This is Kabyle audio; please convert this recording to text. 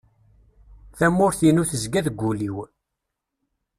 Tamurt-inu tezga deg ul-iw.